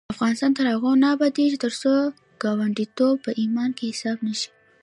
افغانستان تر هغو نه ابادیږي، ترڅو ګاونډیتوب په ایمان کې حساب نشي.